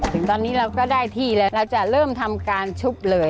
ถึงตอนนี้เราก็ได้ที่แล้วเราจะเริ่มทำการชุบเลย